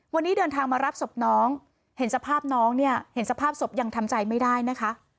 วันนี้เดินทางมารับศพน้องเห็นสภาพน้องเนี่ยเห็นสภาพศพยังทำใจไม่ได้นะคะ